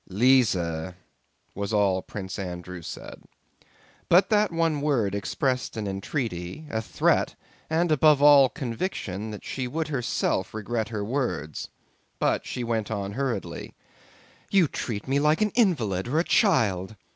"Lise!" was all Prince Andrew said. But that one word expressed an entreaty, a threat, and above all conviction that she would herself regret her words. But she went on hurriedly: "You treat me like an invalid or a child.